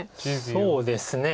そうですね。